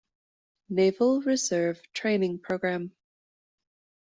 Naval Reserve Training Program.